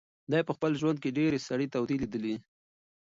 دی په خپل ژوند کې ډېرې سړې تودې لیدلي.